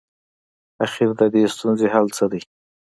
اخر ددې ستونزي حل څه دی؟